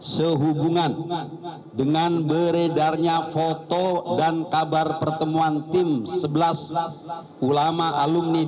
sehubungan dengan beredarnya foto dan kabar pertemuan tim sebelas ulama alumni dua ratus